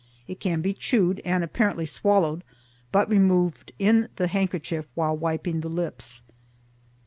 It can be chewed, and apparently swallowed, but removed in the handkerchief while wiping the lips.